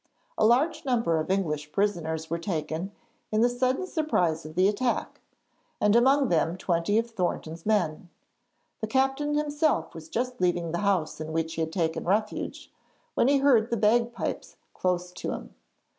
A large number of English prisoners were taken in the sudden surprise of the attack, and among them twenty of Thornton's men. The captain himself was just leaving the house in which he had taken refuge, when he heard the bagpipes close to him.